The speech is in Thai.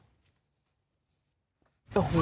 โอ้โหนี่ครับทุกท่านผู้ชม